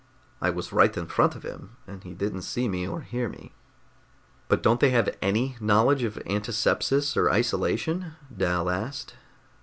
"I was right in front of him, and he didn't see me or hear me." "But don't they have any knowledge of antisepsis or isolation?" Dal asked.